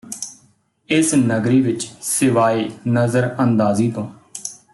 ਇਸ ਨਗਰੀ ਵਿਚ ਸਿਵਾਇ ਨਜ਼ਰ ਅੰਦਾਜ਼ੀ ਤੋਂ